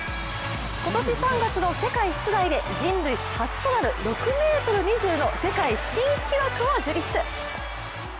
今年３月の世界室内で人類初となる６ｍ２０の世界新記録を樹立。